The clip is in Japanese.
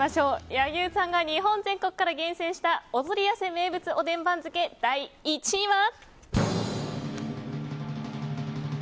柳生さんが日本全国から厳選したお取り寄せ名物おでん番付第１位は。